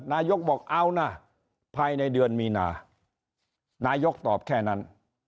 นายกบอกเอานะภายในเดือนมีนานายกตอบแค่นั้น